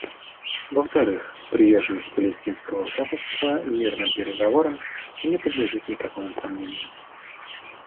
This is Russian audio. Во-вторых, приверженность палестинского руководства мирным переговорам не подлежит никакому сомнению.